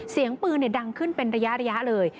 เสียงปืนดังขึ้นเป็นระยะเลย